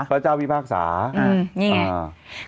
พระเจ้าพี่ภาคสานี่ไง